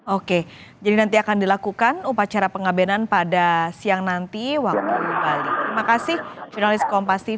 oke jadi nanti akan dilakukan upacara pengabenan pada siang nanti waktu balik